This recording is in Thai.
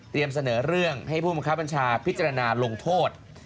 เสนอเรื่องให้ผู้บังคับบัญชาพิจารณาลงโทษ